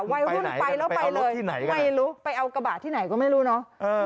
วัยรุ่นไปแล้วไปเลยที่ไหนไม่รู้ไปเอากระบะที่ไหนก็ไม่รู้เนอะ